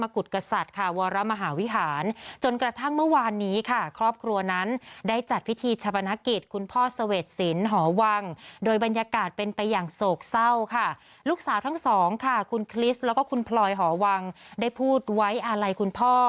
คุณคริสแล้วก็คุณพลอยห่อวังได้พูดไว้อาลัยคุณพ่อ